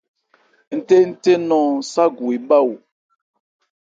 Ńthénthé nɔn Ságu ebhá o.